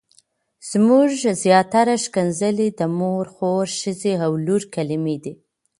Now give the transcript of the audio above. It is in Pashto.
زموږ زياتره ښکنځلې د مور، خور، ښځې او لور کلمې دي.